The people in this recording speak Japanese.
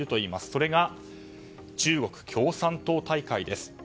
それが、中国共産党大会です。